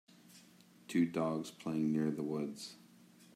Two dogs playing near the woods.